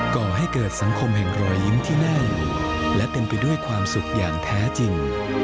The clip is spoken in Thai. ก่อให้เกิดสังคมแห่งรอยยิ้มที่น่าอยู่และเต็มไปด้วยความสุขอย่างแท้จริง